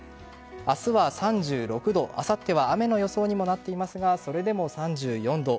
明日は３６度、あさっては雨の予想にもなっていますがそれでも３４度。